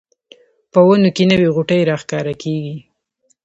په ونو کې نوې غوټۍ راښکاره کیږي